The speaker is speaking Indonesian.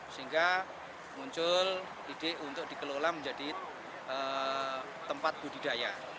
sehingga muncul ide untuk dikelola menjadi tempat budidaya